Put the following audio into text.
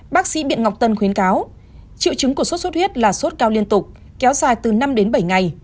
bác sĩ biện ngọc tân khuyến cáo triệu chứng của sốt xuất huyết là sốt cao liên tục kéo dài từ năm đến bảy ngày